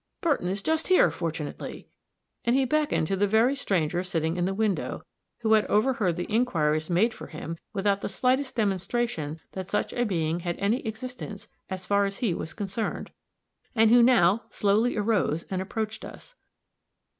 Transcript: Burton is just here, fortunately," and he beckoned to the very stranger sitting in the window, who had overheard the inquiries made for him without the slightest demonstration that such a being had any existence as far as he was concerned, and who now slowly arose, and approached us.